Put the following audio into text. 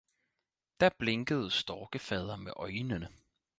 Da blinkede Storkefader med Øinene.